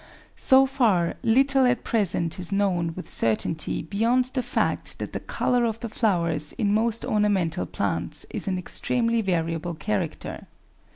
So far, little at present is known with certainty beyond the fact that the colour of the flowers in most ornamental plants is an extremely variable character.